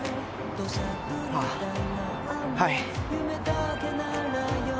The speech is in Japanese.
あぁはい。